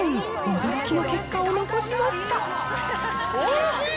驚きの結果を残しました。